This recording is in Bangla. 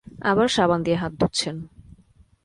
আবার সাবান দিয়ে হাত ধুচ্ছেন।